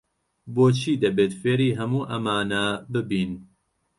بۆچی دەبێت فێری هەموو ئەمانە ببین؟